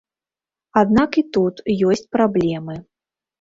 Аднак і тут ёсць праблемы.